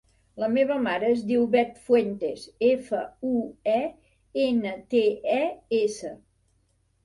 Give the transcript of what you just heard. La meva mare es diu Beth Fuentes: efa, u, e, ena, te, e, essa.